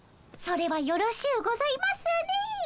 それはよろしゅうございますね。